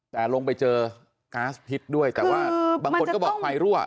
แต่ลงไปเจอก๊าซพิษด้วยแต่ว่าบางคนก็บอกไฟรั่ว